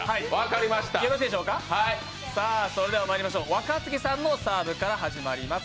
若槻さんのサーブから始まります。